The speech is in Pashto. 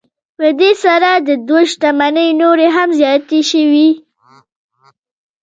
په دې سره د دوی شتمنۍ نورې هم زیاتې شوې